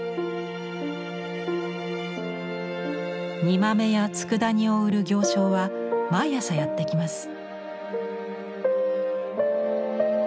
煮豆やつくだ煮を売る行商は毎朝やって来ます。